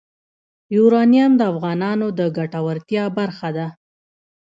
یورانیم د افغانانو د ګټورتیا برخه ده.